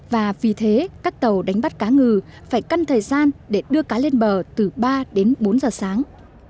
và vì thế các tàu đánh bắt cá ngừ phải căn thời gian để đưa cá lên bờ từ ba đến bốn giờ sáng